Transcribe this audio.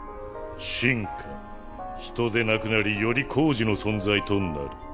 進化人でなくなりより高次の存在となる。